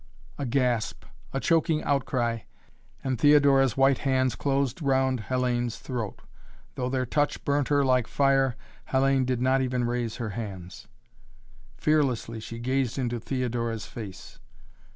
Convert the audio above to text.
A gasp, a choking outcry, and Theodora's white hands closed round Hellayne's throat. Though their touch burnt her like fire, Hellayne did not even raise her hands. Fearlessly she gazed into Theodora's face.